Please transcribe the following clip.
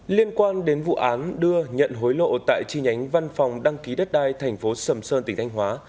liên quan đến vụ án đưa nhận hối lộ tại chi nhánh văn phòng đăng ký đất đai thành phố sầm sơn tỉnh thanh hóa